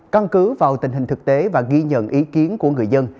căn cứ vào tình hình thực tế và ghi nhận ý kiến của người dân